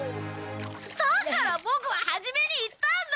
だからボクは初めに言ったんだ！